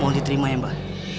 mohon diterima ya mbak